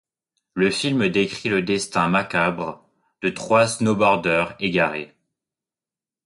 Le film décrit le destin macabre de trois snowboarders égarés.